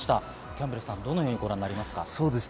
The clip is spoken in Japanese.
キャンベルさん、どのようにご覧になりますか？